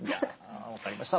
分かりました！